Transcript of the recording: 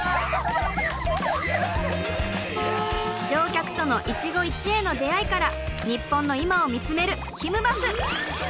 乗客との一期一会の出会いから日本の今を見つめるひむバス！